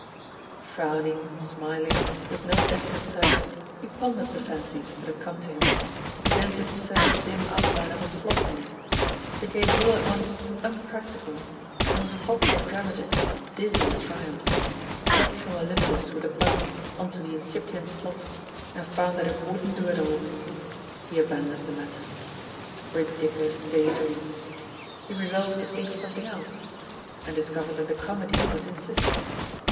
Frowning, smiling, with no definite purpose, he pondered the fancy that had come to him — ^be gan to discern the dim outline of a plot in it; became all at once unpractical and was a popular dramatist, dizzy with triumph; dropped from Olympus, with a bump, on to the incipient plot and found that it wouldn't do at all. He aban doned the matter. Ridiculous daydream I He resolved to think of something else — and discov ered that the comedy was insistent.